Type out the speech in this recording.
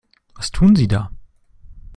Was tun Sie da?